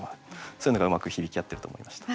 そういうのがうまく響き合ってると思いました。